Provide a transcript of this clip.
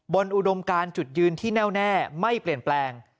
อุดมการจุดยืนที่แน่วแน่ไม่เปลี่ยนแปลง